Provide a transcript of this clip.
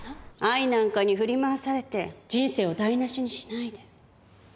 愛なんかに振り回されて人生を台無しにしないで。